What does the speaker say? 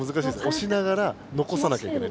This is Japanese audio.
押しながらのこさなきゃいけない。